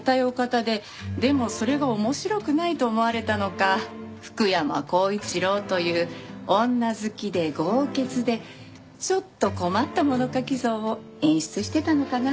でもそれが面白くないと思われたのか福山光一郎という女好きで豪傑でちょっと困った物書き像を演出してたのかなあって。